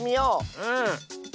うん。